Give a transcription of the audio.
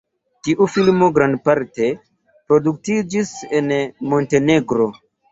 Tiu filmo grandparte produktiĝis en Montenegro.